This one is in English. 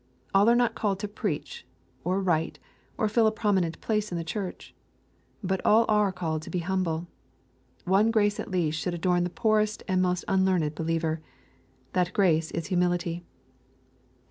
All are not called to preach, or write, or fill a prominent place in the church. But all are called to be humble. One grace at least should adorn the poorest and most un learned believer. That grace is humility.